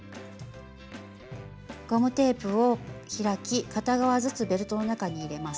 ゴムテープを開き片側ずつベルトの中に入れます。